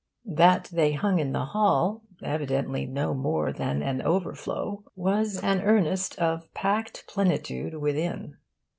That they hung in the hall, evidently no more than an overflow, was an earnest of packed plenitude within.